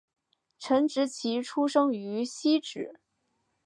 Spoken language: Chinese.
陈植棋出生于汐止